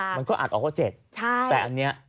อัดออกว่า๗แต่อันเนี้ย